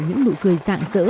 những nụ cười dạng dỡ